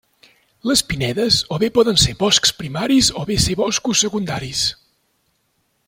Les pinedes o bé poden ser boscs primaris o bé ser boscos secundaris.